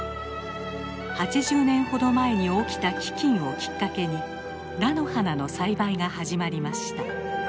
８０年ほど前に起きた飢きんをきっかけに菜の花の栽培が始まりました。